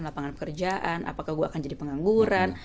lapangan pekerjaan apakah gue akan jadi pengangguran